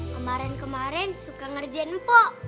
kemarin kemarin suka ngerjain pok